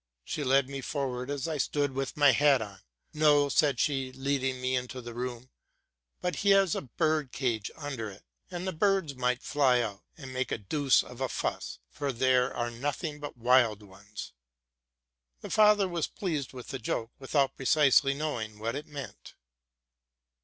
She led me forward as I stood with my hat on. '* No,"' said she, leading me into the room: '* but he has a bird cage under it; and the birds might fly out and make a terrible fuss, for there are nothing but wild ones.'? The father was pleased with the joke, without precisely knowing what it meant.